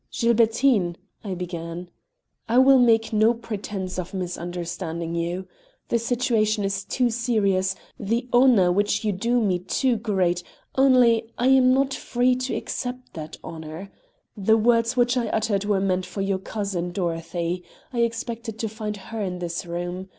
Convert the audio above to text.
"Gilbertine," I began, "I will make no pretense of misunderstanding you. The situation is too serious, the honor which you do me too great; only, I am not free to accept that honor. The words which I uttered were meant for your cousin Dorothy. I expected to find her in this room.